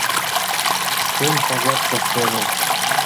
Шым шагат кастене.